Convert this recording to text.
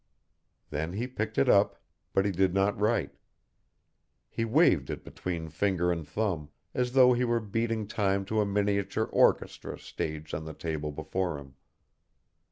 Then he picked it up, but he did not write. He waved it between finger and thumb, as though he were beating time to a miniature orchestra staged on the table before him.